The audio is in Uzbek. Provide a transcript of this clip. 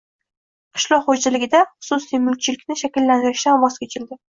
– qishloq xo‘jaligida xususiy mulkchilikni shakllantirishdan voz kechildi.